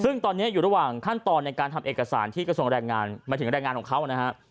ซึ่งตอนนี้อยู่ระหว่างขั้นตอนในการทำเอกสารที่กระทรวงแรงงานหมายถึงแรงงานของเขานะฮะ